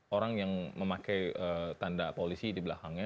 orang yang memakai tanda polisi di belakangnya